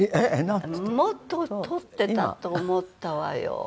もっととってたと思ったわよ。